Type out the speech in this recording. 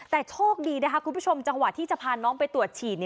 แต่โชคดีนะคะคุณผู้ชมจังหวะที่จะพาน้องไปตรวจฉีด